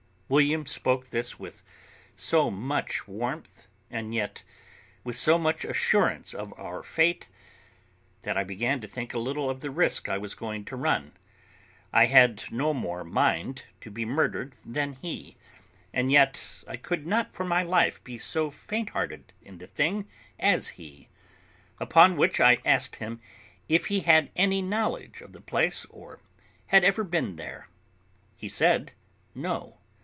William spoke this with so much warmth, and yet with so much assurance of our fate, that I began to think a little of the risk I was going to run. I had no more mind to be murdered than he; and yet I could not for my life be so faint hearted in the thing as he. Upon which I asked him if he had any knowledge of the place, or had ever been there. He said, No.